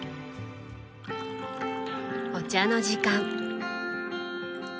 お茶の時間。